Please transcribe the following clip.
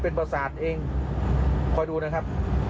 คุณประศาจเองคอยดูนะครับ